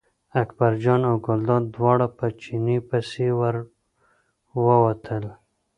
اکبرجان او ګلداد دواړه په چیني پسې ور ووتل.